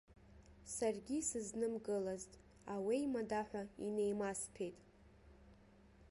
Саргьы исызнымкылазт, ауеимадаҳәа инеимасҭәеит.